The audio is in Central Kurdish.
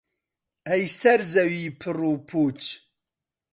ئەی سەر زەوی پڕ و پووچ